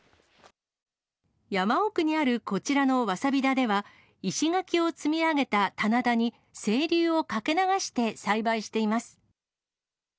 山奥にあるこちらのわさび田では、石垣を積み上げた棚田に清流を掛け流して栽培しています。